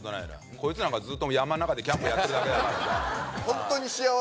こいつなんかずっと山ん中でキャンプやってるだけだからさ